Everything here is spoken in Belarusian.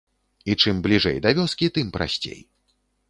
І чым бліжэй да вёскі, тым прасцей.